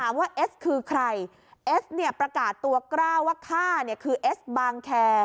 ว่าเอสคือใครเอสเนี่ยประกาศตัวกล้าว่าฆ่าเนี่ยคือเอสบางแคร์